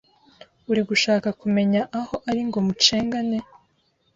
uri gushaka kumenya aho ari ngo mucengane